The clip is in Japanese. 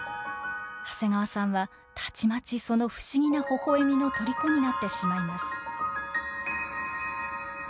長谷川さんはたちまちその不思議なほほえみのとりこになってしまいます。